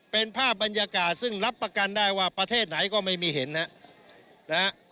เป็นภาพบรรยากาศซึ่งรับประกันได้ว่าประเทศไหนก็ไม่มีเห็นนะครับ